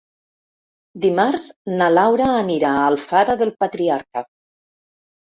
Dimarts na Laura anirà a Alfara del Patriarca.